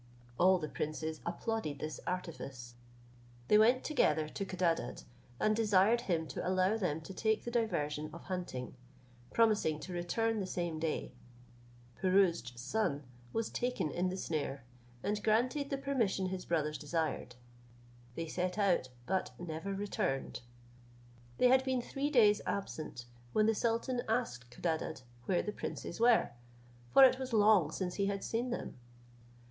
All the princes applauded this artifice. They went together to Codadad, and desired him to allow them to take the diversion of hunting, promising to return the same day. Pirouzč's son was taken in the snare, and granted the permission his brothers desired. They set out, but never returned. They had been three days absent, when the sultan asked Codadad where the princes were, for it was long since he had seen them.